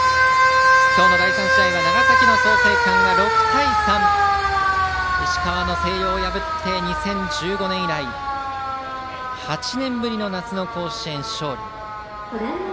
今日の第３試合は長崎の創成館が６対３で石川・星稜を破って２０１５年以来８年ぶりの夏の甲子園勝利。